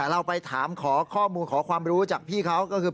เราไปถามขอข้อมูลขอความรู้จากพี่เขาก็คือ